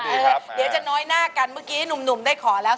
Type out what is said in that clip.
เดี๋ยวจะน้อยหน้ากันเมื่อกี้หนุ่มได้ขอแล้ว